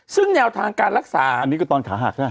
ซึ่งแนวทางการรักษาอันนี้ก็ตอนขาหักใช่ไหม